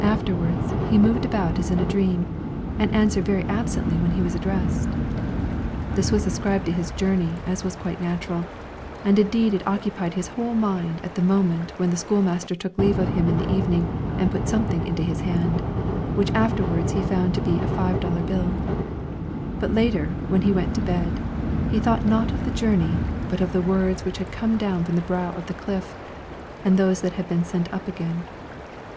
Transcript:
Afterwards he moved about as in a dream, and answered very absently when he was addressed. This was ascribed to his journey, as was quite natural; and indeed it occupied his whole mind at the moment when the school master took leave of him in the evening and put something into his hand, which he afterwards found to be a five dollar bill. But later, when he went to bed, he thought not of the journey, but of the words which had come down from the brow of the cliff, and those that had been sent up again.